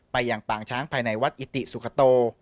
อย่างปางช้างภายในวัดอิติสุขโต